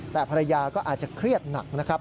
แต่ภรรยาก็อาจจะเครียดหนักนะครับ